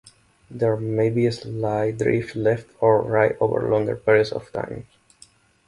There may be slight drifts left or right over longer periods of time.